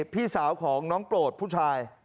พี่สาวของน้องโปรดผู้ชาย